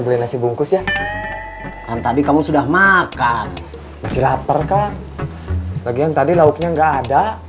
beli nasi bungkus ya kan tadi kamu sudah makan nasi lapar kan bagian tadi lauknya enggak ada